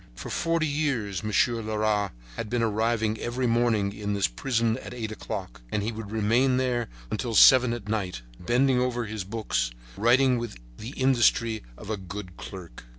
For forty years Monsieur Leras had been arriving every morning in this prison at eight o'clock, and he would remain there until seven at night, bending over his books, writing with the industry of a good clerk.